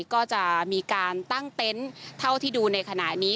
ก็จะมีการตั้งเต็นต์เท่าที่ดูในขณะนี้